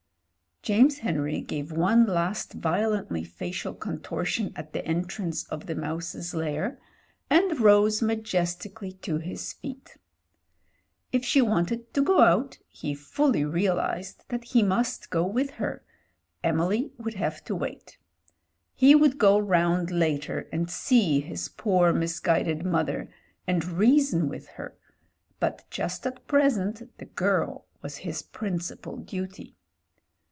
James Henry gave one last violently facial con tortion at the entrance of the mouse's lair, and rose majestically to his feet If she wanted to go out, he fully realised that he must go with her : Emily would have to wait. He would go round later and see his poor misguided mother and reason with her ; but just at present the girl was his principal duty.